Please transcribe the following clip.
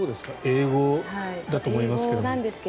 英語だと思いますが。